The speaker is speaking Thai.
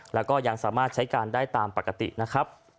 แล้วก็ยังสามารถใช้การได้ตามปกตินะครับ